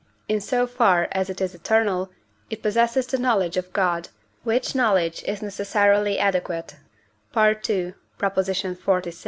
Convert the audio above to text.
in so far as it is eternal, it possesses the knowledge of God, which knowledge is necessarily adequate (II. xlvi.)